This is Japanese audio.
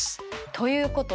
ということは？